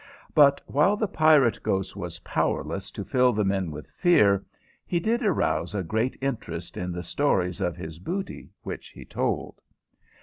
But while the pirate ghost was powerless to fill the men with fear, he did arouse a great interest in the stories of his booty which he told.